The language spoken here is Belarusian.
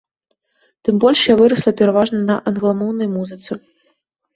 Тым больш я вырасла пераважна на англамоўнай музыцы.